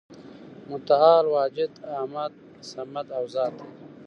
متعال واجد، احد، صمد او ذات دی ،